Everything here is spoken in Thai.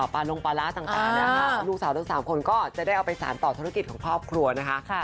ปลาลงปลาร้าต่างนะคะลูกสาวทั้ง๓คนก็จะได้เอาไปสารต่อธุรกิจของครอบครัวนะคะ